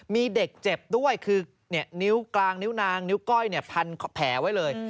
มีเด็กเจ็บด้วยคือนิ้วกลางนิ้วนางนิ้วก้อยพันแผลไว้เลย